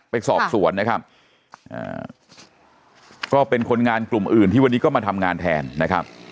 ไปสอบสวนนะครับก็เป็นคนงานกลุ่มอื่นที่วันนี้ก็มาทำงานแทนนะครับ